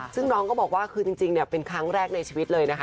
ซึ่งน้องก็บอกว่าคือจริงเป็นครั้งแรกในชีวิตเลยนะคะ